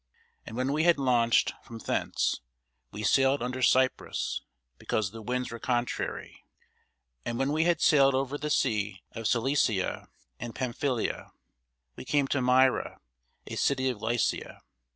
And when we had launched from thence, we sailed under Cyprus, because the winds were contrary. And when we had sailed over the sea of Cilicia and Pamphylia, we came to Myra, a city of Lycia.